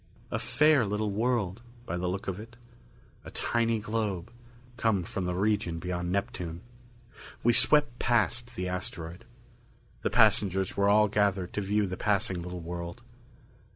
A fair little world, by the look of it. A tiny globe, come from the region beyond Neptune. We swept past the asteroid. The passengers were all gathered to view the passing little world.